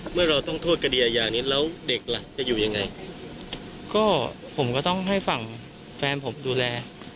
เมื่อเราต้องโทษคดีอาญานิดแล้วเด็กล่ะจะอยู่ยังไงก็ผมก็ต้องให้ฝั่งแฟนผมดูแล